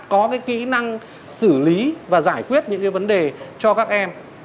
có cái kỹ năng xử lý và giải quyết những cái vấn đề cho các em